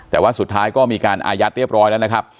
แต่ว่าสุดท้ายก็มีการอายัดเรียบร้อยแล้วนะครับ